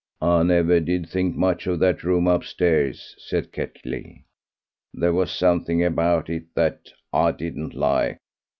"I never did think much of that room upstairs," said Ketley. "There was a something about it that I didn't like.